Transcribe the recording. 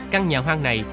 căn nhà hoang này